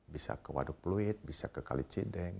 bisa ke waduk pluit bisa ke kali cideng